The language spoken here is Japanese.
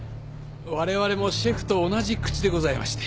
われわれもシェフと同じ口でございまして。